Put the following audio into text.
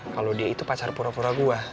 kalau dia itu pacar pura pura gue